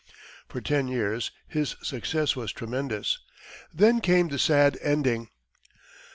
For ten years his success was tremendous then came the sad ending.